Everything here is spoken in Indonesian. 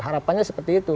harapannya seperti itu